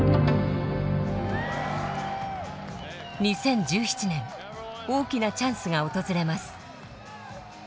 ２０１７年大きなチャンスが訪れます。